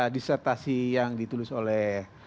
disertasi yang ditulis oleh